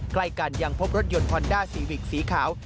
ใกล้กันยังพบรถยนต์ฮอนด้าซีวิกสีขาว